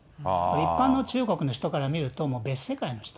一般の中国の人から見ると、もう別世界の人。